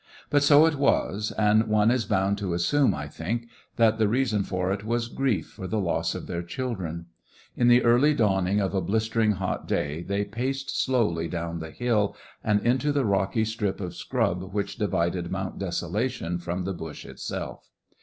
But so it was, and one is bound to assume, I think, that the reason of it was grief for the loss of their children. In the early dawning of a blistering hot day they paced slowly down the hill and into the rocky strip of scrub which divided Mount Desolation from the bush itself.